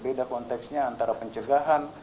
beda konteksnya antara pencegahan